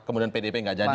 kemudian pdp tidak jadi